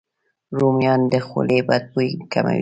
رومیان د خولې بد بوی کموي.